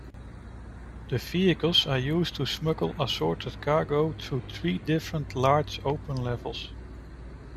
The vehicles are used to smuggle assorted cargo through three different large, open levels.